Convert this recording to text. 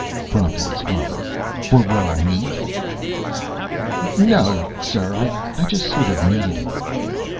prompted his father. "For raw meat?" "No, sir. I just sort of needed it."